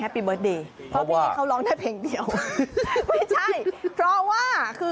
แฮปปี้เบิร์ตเดยเพราะว่าเขาร้องได้เพลงเดียวเพราะว่าคือ